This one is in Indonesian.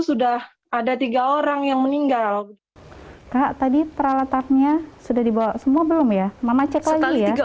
sudah ada tiga orang yang meninggal kak tadi peralatannya sudah dibawa semua belum ya mama cek lagi ya